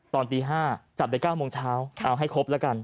ตอนตี๕จับได้๙โมงเช้าเอาให้ครบแล้วกัน